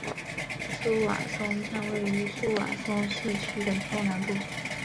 苏瓦松站位于苏瓦松市区的东南部。